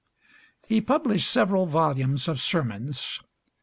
He published several volumes of sermons.